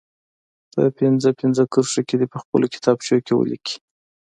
په پنځه پنځه کرښو کې دې په خپلو کتابچو کې ولیکي.